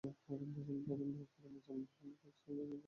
প্রধান রেফারি মিজানুর রহমান কয়েক সেকেন্ড সময় নেন গোলের সিদ্ধান্ত দিতে।